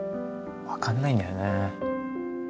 分かんないんだよね。